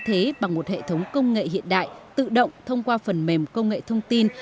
thế bằng một hệ thống công nghệ hiện đại tự động thông qua phần mềm công nghệ thông tin